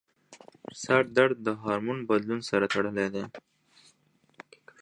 سردرد د هارمون بدلون سره تړلی دی.